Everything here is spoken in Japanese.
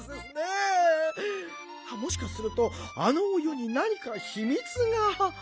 あっもしかするとあのお湯になにかひみつが？